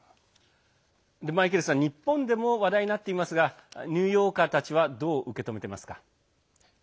マイケルさん、日本でも話題になっていますがニューヨーカーたちはどう受け止めていますか。